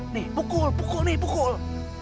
nih pukul pukul nih pukul